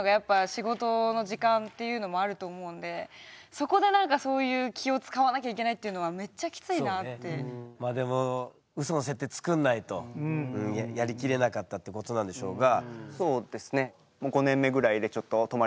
そこでそういう気を遣わなきゃいけないっていうのはでもウソの設定作んないとやりきれなかったってことなんでしょうが。